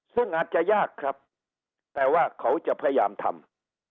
ซึ่งอาจจะยากครับแต่ว่าเขาจะพยายามทำ